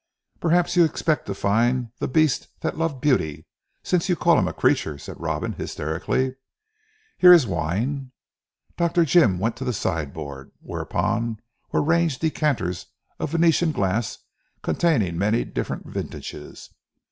"Perhaps you expect to find the Beast that loved Beauty, since you call him a creature," said Robin hysterically. "Here is wine." Dr. Jim went to the sideboard, whereon were ranged decanters of Venetian glass containing many different vintages.